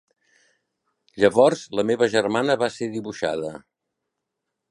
Llavors la meva germana va ser dibuixada.